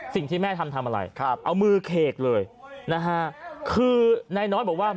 สิ่งที่แม่ทำทำอะไรครับเอามือเขกเลยนะฮะคือนายน้อยบอกว่า